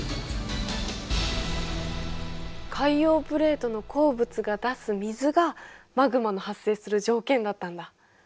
海洋プレートの鉱物が出す水がマグマの発生する条件だったんだ。